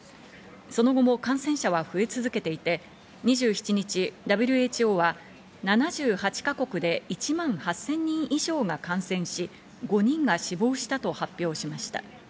その後も感染者は増え続けていて、２７日、ＷＨＯは７８か国で１万８０００人以上が感染し、５人が死亡したと発表しました。